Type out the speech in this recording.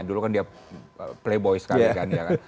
dulu kan dia playboy sekali kan